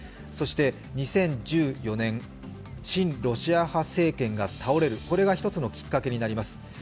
そして、２０１４年親ロシア派政権が倒れるこれが一つのきっかけになります。